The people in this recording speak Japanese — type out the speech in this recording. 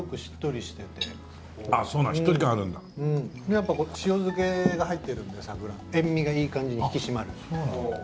やっぱり塩漬けが入ってるんでサクラの塩味がいい感じに引き締まる。